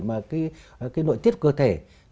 mà cái nội tiết cơ thể